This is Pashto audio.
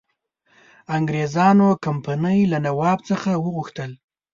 انګرېزانو کمپنی له نواب څخه وغوښتل.